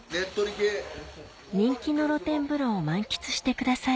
人気の露天風呂を満喫してください